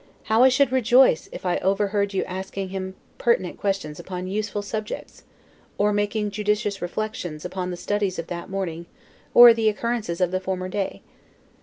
How I should rejoice if I overheard you asking him pertinent questions upon useful subjects! or making judicious reflections upon the studies of that morning, or the occurrences of the former day!